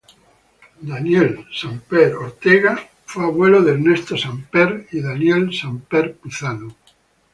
Daniel Samper Ortega fue abuelo de Ernesto Samper y Daniel Samper Pizano.